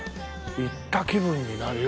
行った気分になる。